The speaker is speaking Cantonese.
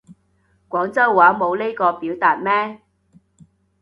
廣州話冇呢個表達咩